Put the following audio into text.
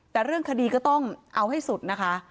แต่เรื่องคดีก็ต้องเอาให้สุดนะคะ